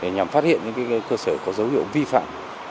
nhằm phát hiện những cơ sở có dấu hiệu vi phạm